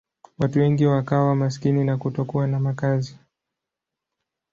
Watu wengi wakawa maskini na kutokuwa na makazi.